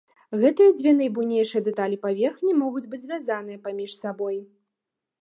Гэтыя дзве найбуйнейшыя дэталі паверхні могуць быць звязаныя паміж сабой.